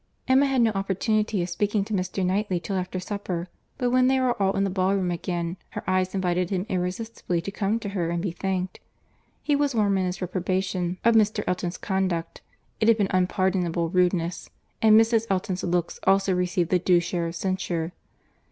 Emma had no opportunity of speaking to Mr. Knightley till after supper; but, when they were all in the ballroom again, her eyes invited him irresistibly to come to her and be thanked. He was warm in his reprobation of Mr. Elton's conduct; it had been unpardonable rudeness; and Mrs. Elton's looks also received the due share of censure.